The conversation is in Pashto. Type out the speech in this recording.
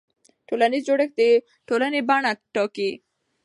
ټولنیز جوړښت د ټولنې بڼه ټاکي.